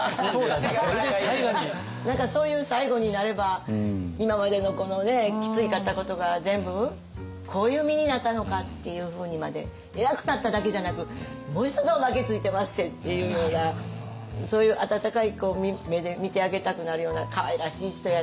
何かそういう最後になれば今までのこのきついかったことが全部こういう実になったのかっていうふうにまで偉くなっただけじゃなくもう一つおまけついてまっせっていうようなそういうかいらしいわ！